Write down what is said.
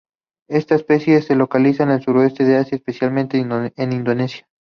Esta especie se localiza al sureste de Asia, especialmente en Indonesia.